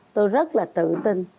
tôi rất là tự tin